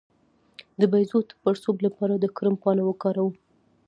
د بیضو د پړسوب لپاره د کرم پاڼه وکاروئ